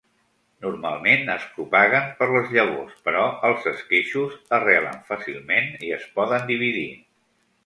Normalment es propaguen per les llavors però els esqueixos arrelen fàcilment i es poden dividir.